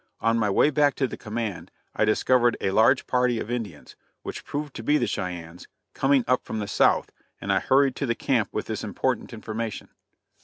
On my way back to the command I discovered a large party of Indians, which proved to be the Cheyennes, coming up from the south, and I hurried to the camp with this important information.